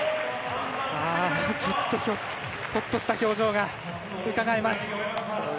ほっとした表情がうかがえます。